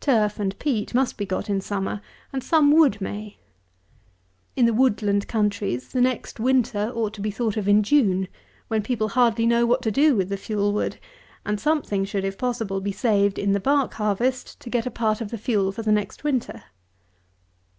Turf and peat must be got in summer, and some wood may. In the woodland countries, the next winter ought to be thought of in June, when people hardly know what to do with the fuelwood; and something should, if possible, be saved in the bark harvest to get a part of the fuel for the next winter.